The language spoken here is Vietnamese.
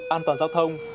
an toàn giao thông